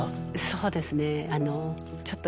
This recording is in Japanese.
そうですね。